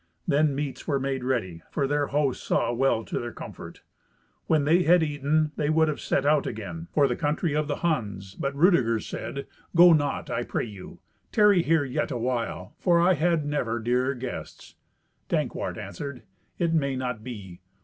Then meats were made ready, for their host saw well to their comfort. When they had eaten, they would have set out again for the country of the Huns, but Rudeger said, "Go not, I pray you. Tarry here yet a while, for I had never dearer guests." Dankwart answered, "It may not be.